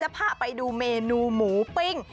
พาไปดูเมนูหมูปิ้ง